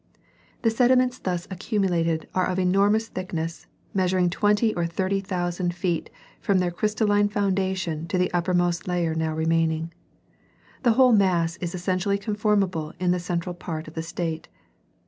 The sediments thus accumulated are of enormous thickness, measuring twenty or thirty thousand feet from their crystalline foundation to the uppermost layer now remaining. The whole mass is essentially conformable in the central part of the state.